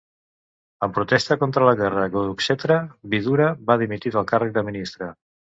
En protesta contra la guerra de Kurukshetra, Vidura va dimitir del càrrec de ministre.